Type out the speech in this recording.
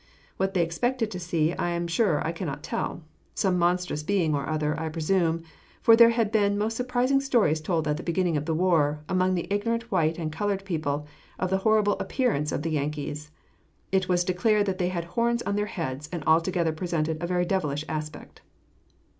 What they expected to see I am sure I cannot tell, some monstrous being or other, I presume, for there had been most surprising stories told at the beginning of the war, among the ignorant white and colored people, of the horrible appearance of the Yankees. It was declared that they had horns on their heads, and altogether presented a very devilish aspect.